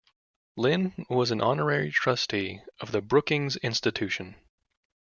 Lynn was an honorary trustee of the Brookings Institution.